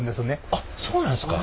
あっそうなんですか。